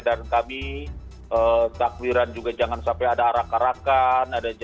dan kami takbiran juga jangan sampai ada arak arakan